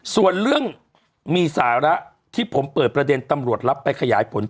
ส่วนเรื่องมีสาระที่ผมเปิดประเด็นตำรวจรับไปขยายผลต่อ